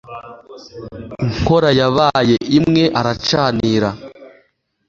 inkora yabaye imwe aracanira